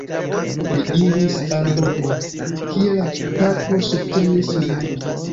Li iris al Romo, kie la papo subtenis lin.